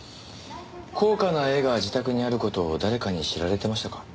高価な絵が自宅にある事を誰かに知られてましたか？